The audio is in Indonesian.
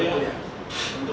di mana disiksa saudara saksi